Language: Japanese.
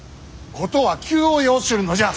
事は急を要するのじゃ。